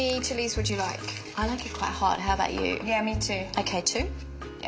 はい。